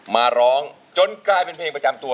มาร้องจนกลายเป็นเพลงประจำตัว